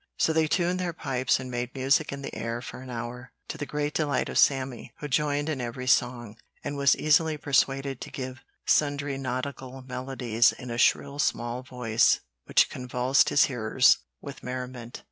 So they tuned their pipes and made "music in the air" for an hour, to the great delight of Sammy, who joined in every song, and was easily persuaded to give sundry nautical melodies in a shrill small voice which convulsed his hearers with merriment.